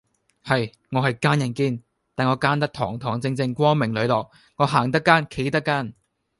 係，我係奸人堅，但我奸得堂堂正正，光明磊落，我行得奸，企得奸!